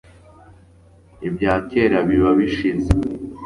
ibya kera biba bishize